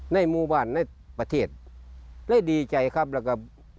ในหมู่บ้านในประเทศได้ดีใจครับแล้วก็